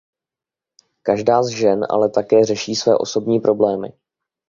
Každá z žen ale také řeší své osobní problémy.